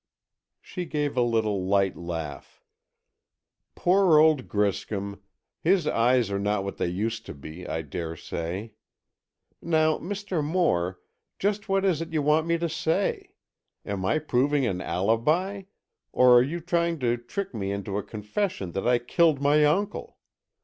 She gave a little light laugh. "Poor old Griscom. His eyes are not what they used to be, I daresay. Now, Mr. Moore, just what is it you want me to say? Am I proving an alibi? Or are you trying to trick me into a confession that I killed my uncle?